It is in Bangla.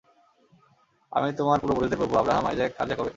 আমি তোমার পূর্বপুরুষদের প্রভু, আব্রাহাম, আইজ্যাক আর জ্যাকবের।